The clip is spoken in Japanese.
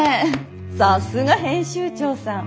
さすが編集長さん。